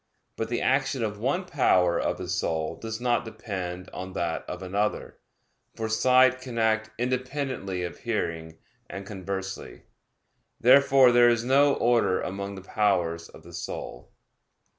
But the action of one power of the soul does not depend on that of another; for sight can act independently of hearing, and conversely. Therefore there is no order among the powers of the soul.